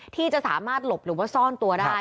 ที่จะสามารถหลบหรือว่าซ่อนตัวได้